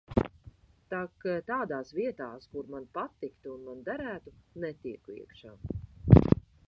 Tak tādās vietās, kur man patiktu un man derētu netieku iekšā.